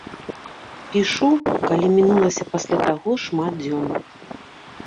Пішу, калі мінулася пасля таго шмат дзён.